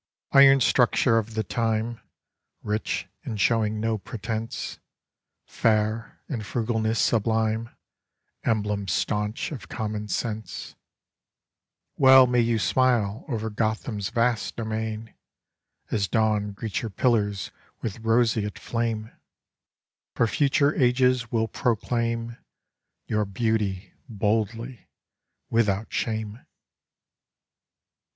Iron structure of the tlmo, T.ich, in showing no pretense, Fair, in frugalness sublime, dablem staunch of common sense, tTell may you smile over Gotham's vast domain, As dawn' greets your pillars with roseate flame, For future ages will proclaim Your beauty, boldly, Without shame.